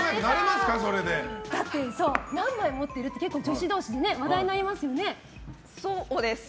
何枚持ってるって結構、女子同士で話題になりますよね。